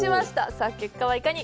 さあ結果はいかに！？